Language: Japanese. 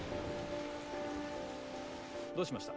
どうしました？